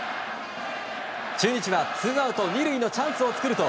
中日は、ツーアウト２塁のチャンスを作ると。